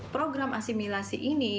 program asimilasi ini